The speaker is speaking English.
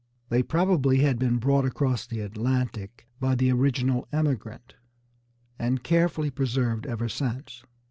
They probably had been brought across the Atlantic by the original emigrant, and carefully preserved ever since.